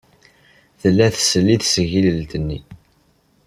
Tella tsell i tesgilt-nni.